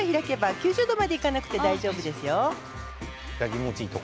９０度までいかなくて大丈夫ですよ。